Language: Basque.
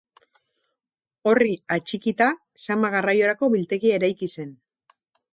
Horri atxikita, zama garraiorako biltegia eraiki zen.